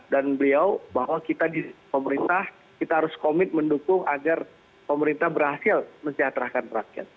dan beliau bahwa kita di pemerintah kita harus komit mendukung agar pemerintah berhasil mesejahterakan rakyat